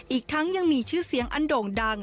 อีกทั้งยังมีชื่อเสียงอันโด่งดัง